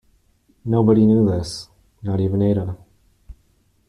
Nobody knew this, not even Ada.